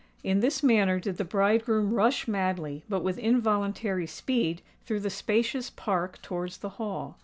In this manner did the bridegroom rush madly, but with involuntary speed, through the spacious Park towards the Hall.